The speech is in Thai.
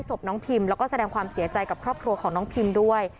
ศพน้องพิมแล้วก็แสดงความเสียใจกับครอบครัวของน้องพิมด้วย